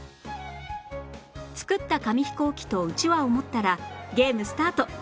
作った紙ヒコーキとうちわを持ったらゲームスタート！